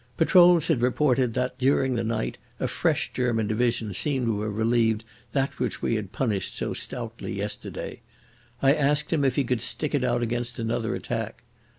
Patrols had reported that during the night a fresh German division seemed to have relieved that which we had punished so stoutly yesterday. I asked him if he could stick it out against another attack.